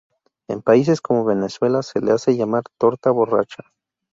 En países como Venezuela se le hace llamar torta borracha.